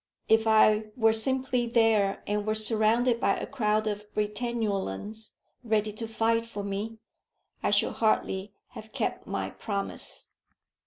If I were simply there, and were surrounded by a crowd of Britannulans ready to fight for me, I should hardly have kept my promise.